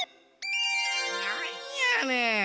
なんやねん！